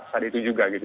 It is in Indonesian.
saat itu juga gitu